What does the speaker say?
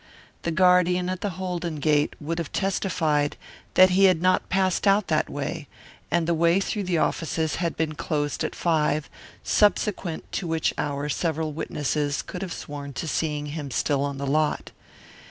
The guardian at the Holden gate would have testified that he had not passed out that way, and the way through the offices had been closed at five, subsequent to which hour several witnesses could have sworn to seeing him still on the lot.